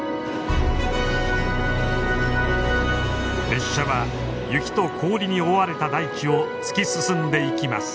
列車は雪と氷に覆われた大地を突き進んでいきます。